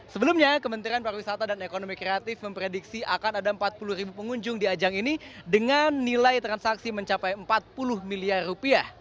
sebelumnya kementerian parwisata dan ekonomi kreatif memprediksi akan ada empat puluh pengunjung di ajang ini dengan nilai transaksi mencapai rp empat puluh